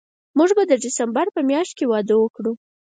موږ به د ډسمبر په میاشت کې واده وکړو